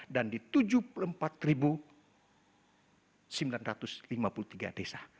dan di tujuh puluh empat sembilan ratus lima puluh tiga desa